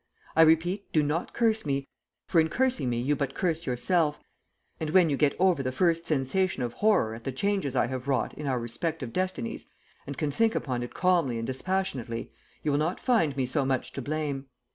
I repeat, do not curse me, for in cursing me you but curse yourself, and when you get over the first sensation of horror at the changes I have wrought in our respective destinies, and can think upon it calmly and dispassionately, you will not find me so much to blame.